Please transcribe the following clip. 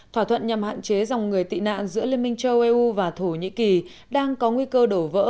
thỏa thuận nhằm hạn chế dòng người tị nạn giữa liên minh châu âu và thổ nhĩ kỳ đang có nguy cơ đổ vỡ